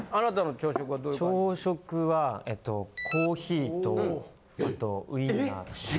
朝食はコーヒーとウインナー。